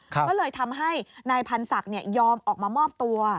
ก็เลยทำให้นายพันศักดิ์ยอมออกมามอบตัว